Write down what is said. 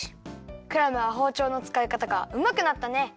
クラムはほうちょうのつかいかたがうまくなったね！